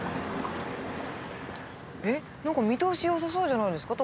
何か見通し良さそうじゃないですか？